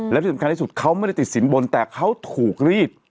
และที่สำคัญที่สุดเขาไม่ได้ติดสินบนแต่เขาถูกรีด